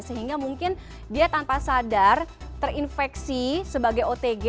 sehingga mungkin dia tanpa sadar terinfeksi sebagai otg